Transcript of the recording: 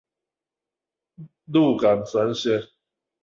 鹿港三線